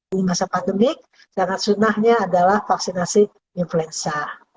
di masa pandemi sangat sunahnya adalah vaksinasi influenza